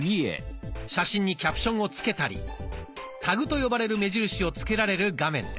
写真にキャプションをつけたりタグと呼ばれる目印をつけられる画面です。